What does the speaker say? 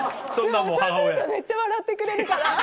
そうするとめっちゃ笑ってくれるから。